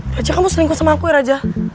raja kamu selingkuh sama aku ya raja